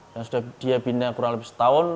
dan sudah dia bina kurang lebih setahun